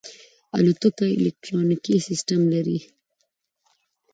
الوتکه الکترونیکي سیستم لري.